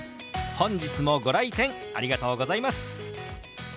本日もご来店ありがとうございます。